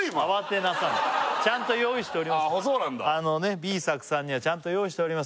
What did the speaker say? Ｂｅ作さんにはちゃんと用意しております